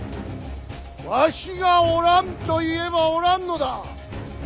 わしがおらんと言えばおらんのだ。